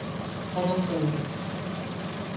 Hava soğuk.